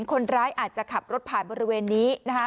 คนร้ายอาจจะขับรถผ่านบริเวณนี้นะคะ